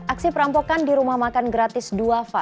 aksi perampokan di rumah makan gratis duafa